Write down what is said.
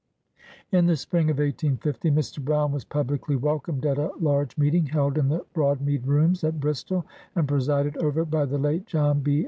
] In the spring of 1850, Mr. Brown was publicly wel comed at a large meeting held in the Broadmead Rooms, at Bristol, and presided over by the late John B.